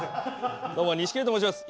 どうも錦鯉と申します。